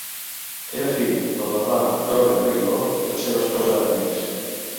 Era fill del normand Robert d'Aguiló i la seva esposa Agnès.